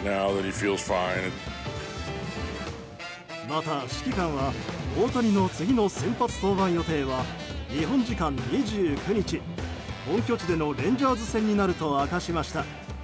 また指揮官は大谷の次の先発登板予定は日本時間２９日、本拠地でのレンジャーズ戦になると明かしました。